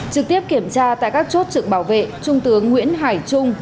trực tiếp kiểm tra tại các chốt trực bảo vệ trung tướng nguyễn hải trung